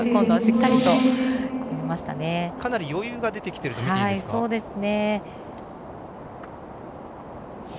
かなり余裕が出てきているとみていいですね。